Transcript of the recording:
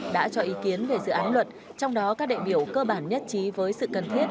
đã cho ý kiến về dự án luật trong đó các đại biểu cơ bản nhất trí với sự cần thiết